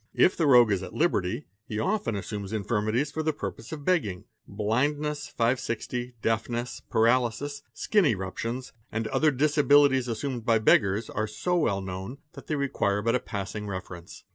If the rogue is at liberty, he often assumes infir mities for the purpose of begging ; blindness ", deafness, paralysis, skin eruptions, and other disabilities assumed by beggars are so well known, that they require but a passing reference.